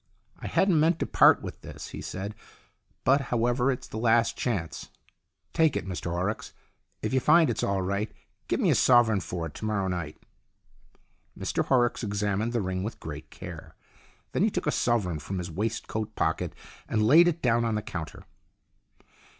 "I hadn't meant to part with this," he said. "But, however, it's the last chance. Take it, Mr Horrocks. If you find it's all right, give me a sovereign for it to morrow night." Mr Horrocks examined the ring with great care. Then he took a sovereign from his waistcoat pocket and laid it down on the counter.